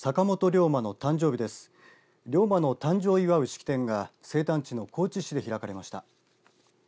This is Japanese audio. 龍馬の誕生を祝う式典が生誕地の高津市で開かれました。